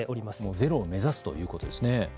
ゼロを目指すということですね。